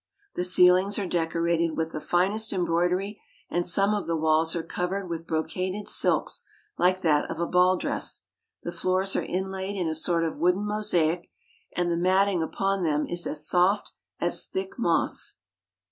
The ceilings are decorated 6o JAPAN with the finest embroidery, and some of the walls are cov ered with brocaded silks like that of a ball dress. The floors are inlaid in a sort of a wooden mosaic, and the mat ting upon them is as soft as thick moss.